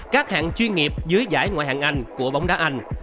các hạng chuyên nghiệp dưới giải ngoại hạng anh của bóng đá anh